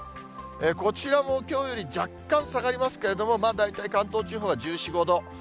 こちらもきょうより若干下がりますけれども、大体関東地方は１４、５度。